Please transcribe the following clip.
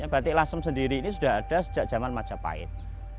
batik lasem sendiri ini sudah ada sejak zaman majapahit